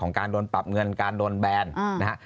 ของการโดนปรับเงินโดนแบนนะครับ